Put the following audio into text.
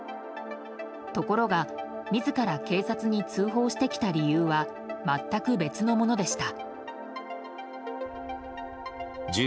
ところが、自ら警察に通報してきた理由は全く別のものでした。